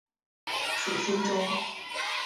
属新州。